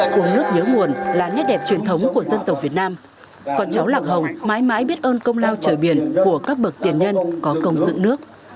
uống nước nhớ nguồn là nét đẹp truyền thống của dân tộc việt nam con cháu lạc hồng mãi mãi biết ơn công lao trời biển của các bậc tiền nhân có công dựng nước